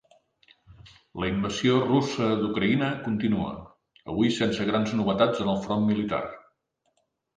La invasió russa d’Ucraïna continua, avui sense grans novetats en el front militar.